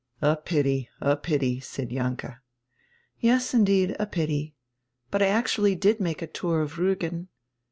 "A pity, a pity," said Jahnke. "Yes, indeed, a pity. But I actually did make a tour of Riigen.